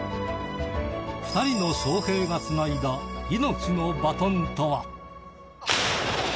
２人の翔平がつないだ、命のバトンとは。